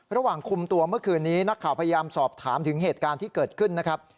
ระหว่างคุมตัวเมื่อคืนนี้นักข่าวพยายามสอบถามถึงเหตุการณ์ที่เกิดขึ้นนะครับ